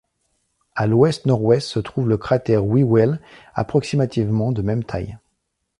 A l'ouest-nord-ouest se trouve le cratère Whewell, approximativement de même taille.